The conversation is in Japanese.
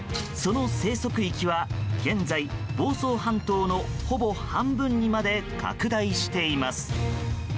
その生息域は現在、房総半島のほぼ半分にまで拡大しています。